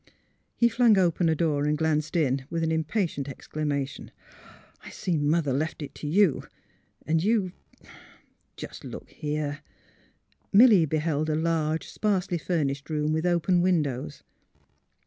He flung open a door and glanced in, with an impatient exclamation. '' I see Mother left it to you ; and you — just look here! " Milly beheld a large sparsely furnished room with open mndows.